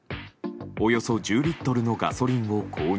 およそ１０リットルのガソリンを購入。